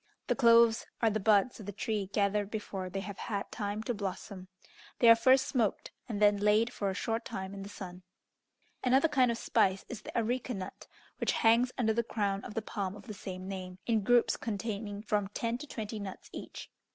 The cloves are the buds of the tree gathered before they have had time to blossom. They are first smoked, and then laid for a short time in the sun. Another kind of spice is the areca nut, which hangs under the crown of the palm of the same name, in groups containing from ten to twenty nuts each.